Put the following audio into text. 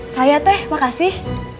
saya teh makasih